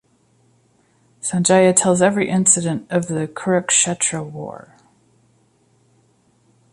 Sanjaya tells every incident of the Kurukshetra war.